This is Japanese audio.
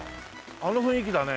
あの雰囲気だね。